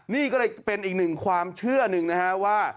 นี่ก็เรย์อีกหนึ่งแล้วความเชื่อหนึ่งนะครับว่า